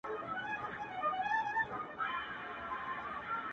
زما گلاب ،گلاب دلبره نور به نه درځمه.